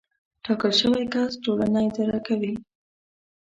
ټاکل شوی کس ټولنه اداره کوي.